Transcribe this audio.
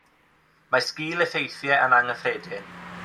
Mae sgil-effeithiau yn anghyffredin.